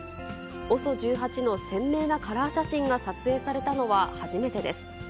ＯＳＯ１８の鮮明なカラー写真が撮影されたのは初めてです。